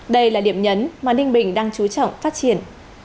đây là điểm nhấn mà ninh bình đang chú trọng phát triển